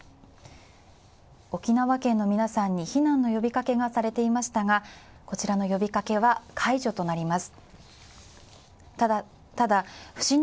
沖縄県の皆さんに避難の呼びかけがされていましたが、こちらの呼びかけは解除となります。